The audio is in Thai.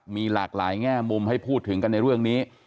มีหลากหลายแง่มุมให้พูดถึงกันในเรื่องนี้